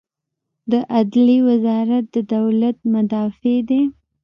د عدلیې وزارت د دولت مدافع دی